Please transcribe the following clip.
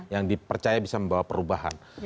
yang dipercaya bisa membawa perubahan